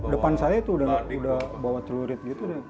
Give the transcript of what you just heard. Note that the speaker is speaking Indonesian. depan saya tuh udah bawa turit gitu